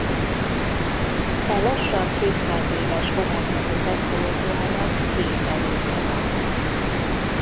E lassan kétszáz éves fogászati technológiának két előnye van.